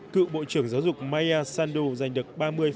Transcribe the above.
cựu bộ trưởng giáo dục maya sandu giành được ba mươi sáu mươi chín